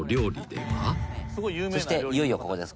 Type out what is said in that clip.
「そしていよいよここです」